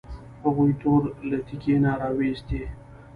هغوی تورې له تیکي نه راویوستې.